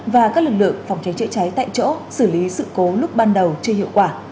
và các lực lượng phòng cháy chữa cháy tại chỗ xử lý sự cố lúc ban đầu chưa hiệu quả